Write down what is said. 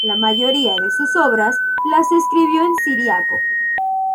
La mayoría de sus obras las escribió en siríaco.